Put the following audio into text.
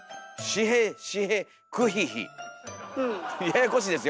ややこしいですよ！